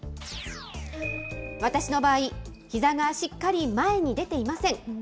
私の場合、ひざがしっかり前に出ていません。